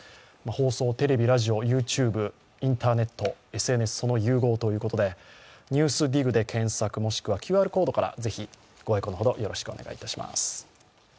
放送、テレビ、ラジオ、ＹｏｕＴｕｂｅ、インターネットＳＮＳ、その融合ということで、「ＮＥＷＳＤＩＧ」で検索、もしくはＱＲコードからご愛顧のほどよろしくお願いします。